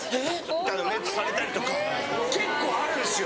みたいな目されたりとか結構あるんですよ。